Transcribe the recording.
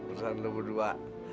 urusan lo berdua